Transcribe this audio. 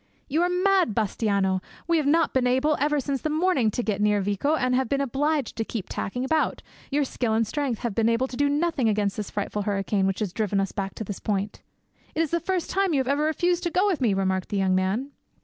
"You are mad, Bastiano; we have not been able ever since the morning to get near Vico, and have been obliged to keep tacking about; your skill and strength have been able to do nothing against this frightful hurricane which has driven us back to this point." "It is the first time you have ever refused to go with me," remarked the young man.